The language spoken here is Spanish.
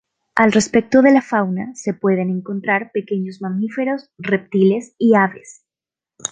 Al respecto de la fauna se pueden encontrar pequeños mamíferos, reptiles y aves.